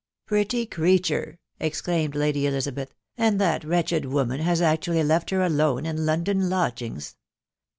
" Pretty creature !" exclaimed Lady Elizabeth ;" and that wretched woman has actually left her alone in London lodgings